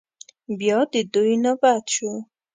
بيا د دوی نوبت شو.